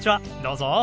どうぞ。